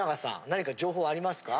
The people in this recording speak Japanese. なにか情報ありますか？